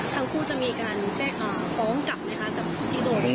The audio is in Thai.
ทั้งคู่จะมีการแจ้งฟ้องกลับไหมคะกับที่โดน